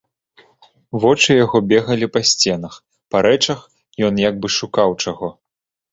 Вочы яго бегалі па сценах, па рэчах, ён як бы шукаў чаго.